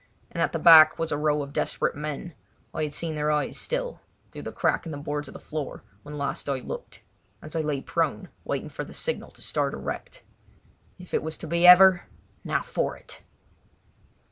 And at the back was a row of desperate men—I had seen their eyes still through the crack in the boards of the floor, when last I looked—as they lay prone waiting for the signal to start erect. If it was to be ever, now for it!